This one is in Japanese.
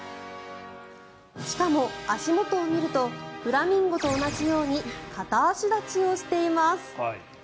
しかも、足元を見るとフラミンゴと同じように片足立ちをしています。